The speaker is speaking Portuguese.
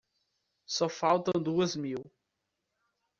Só faltam duas mil.